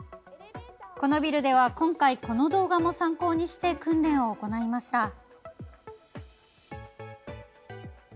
このビルでは今回、この動画も参考にして訓練を行いました。